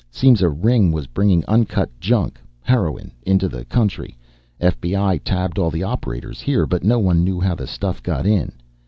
Seems a ring was bringing uncut junk heroin into the country. F.B.I. tabbed all the operators here, but no one knew how the stuff got in.